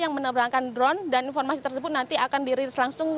yang menerangkan drone dan informasi tersebut nanti akan dirilis langsung